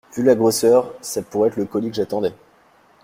Vu la grosseur, ça pouvait être le colis que j’attendais.